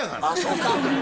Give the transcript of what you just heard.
あそうか？